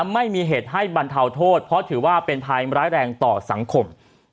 ไม่มีเหตุให้บรรเทาโทษเพราะถือว่าเป็นภัยร้ายแรงต่อสังคม